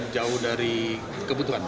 jauh dari kebutuhan